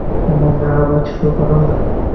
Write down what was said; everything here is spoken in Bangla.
অহ, না, আবার শুরু করো না।